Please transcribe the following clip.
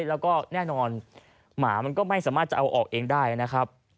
แล้วก็แน่นอนหมามันก็ไม่สามารถจะเอาออกเองได้นะครับ